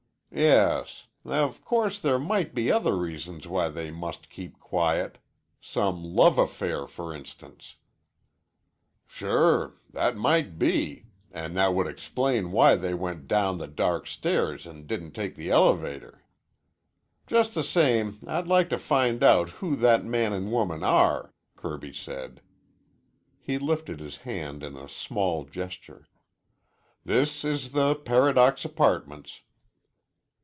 "Yes. Of course there might be other reasons why they must keep quiet. Some love affair, for instance." "Sure. That might be, an' that would explain why they went down the dark stairs an' didn't take the elevator." "Just the same I'd like to find out who that man an' woman are," Kirby said. He lifted his hand in a small gesture. "This is the Paradox Apartments."